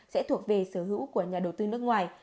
sẽ thuộc về sở hữu của nhà đầu tư nước ngoài